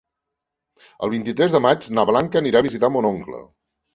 El vint-i-tres de maig na Blanca anirà a visitar mon oncle.